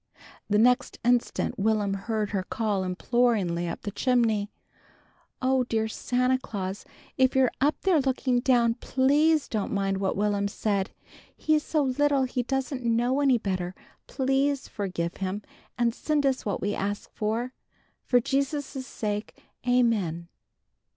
The next instant Will'm heard her call imploringly up the chimney, "Oh, dear Santa Claus, if you're up there looking down, please don't mind what Will'm said. He's so little he doesn't know any better. Please forgive him and send us what we ask for, for Jesus' sake, Amen!"